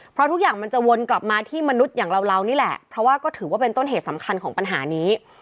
เพราะทุกอย่างมันจะวนกลับมาที่มนุษย์อย่างเราเรานี่แหละเพราะว่าก็ถือว่าเป็นต้นเหตุสำคัญของปัญหานี้